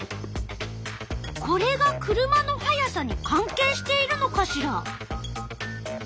これが車の速さに関係しているのかしら。